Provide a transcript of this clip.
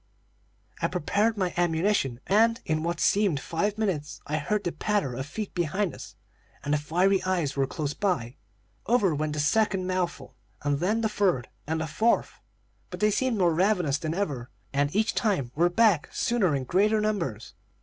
"I prepared my ammunition, and, in what seemed five minutes, I heard the patter of feet behind us, and the fiery eyes were close by. Over went the second mouthful, and then the third, and the fourth; but they seemed more ravenous than ever, and each time were back sooner in greater numbers.